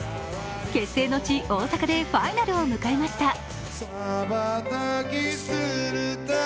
結成の地、大阪でファイナルを迎えました。